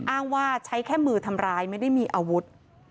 อ้างว่าใช้แค่มือทำร้ายไม่ได้มีอาวุธ